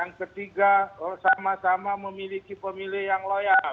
dan ketiga sama sama memiliki pemilih yang loyal